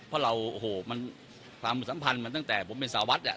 เพราะเราโอ้โหมันความสัมพันธ์มันตั้งแต่ผมเป็นสาววัด